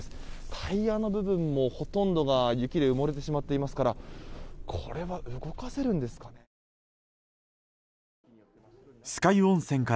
タイヤの部分もほとんどが雪で埋もれてしまっていますからこれは動かせるんですか？